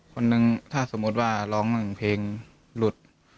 คนหนึ่งถ้าสมมุติว่าหลอง๑เพลงหลุด